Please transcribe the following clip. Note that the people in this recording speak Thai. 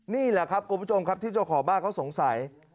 นี่แหละครับคุณผู้ชมครับที่เจ้าของบ้านเขาสงสัย